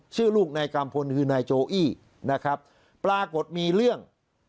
ชื่อลูกนายกัมพลคือนายโจอี้นะครับปรากฏมีเรื่อง